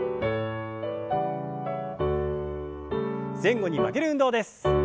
前後に曲げる運動です。